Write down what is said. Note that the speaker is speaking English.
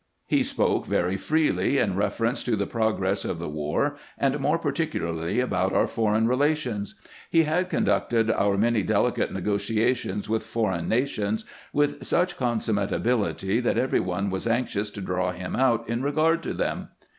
He spoke very freely in reference to the pro gress of the war, and more particularly about our foreign relations. He had conducted our many delicate negotia tions with foreign nations with such consummate ability that every one was anxious to draw him out in regard to them.